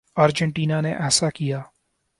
Argentina نے ایسا کیا۔